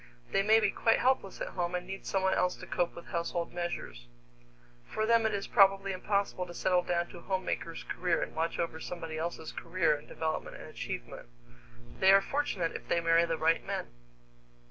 They may be quite helpless at home and need someone else to cope with household measures. For them it is probably impossible to settle down to a homemaker's career and watch over somebody else's career and development and achievement. They are fortunate if they marry the right men!